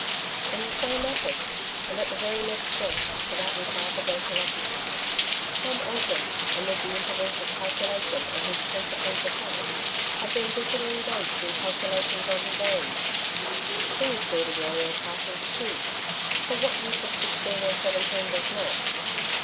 In the same office, and at the very next desk to that which Arthur Delta occupied, Tom Alton, amid the intervals of calculation on his " principalis '' account, had been busily engaged in calculations on his own. He was building aerial castles too^ for what youth of sixteen or seventeen does not